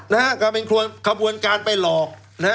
นะฮะกลายเป็นขบวนการไปหลอก